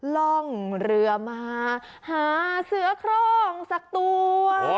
ล่องเรือมาหาเสือโครงสักตัว